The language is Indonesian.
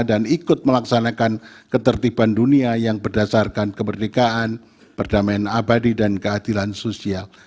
dan ikut melaksanakan ketertiban dunia yang berdasarkan kemerdekaan perdamaian abadi dan keadilan sosial